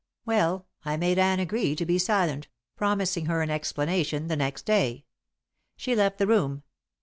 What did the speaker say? Well, I made Anne agree to be silent, promising her an explanation the next day. She left the room.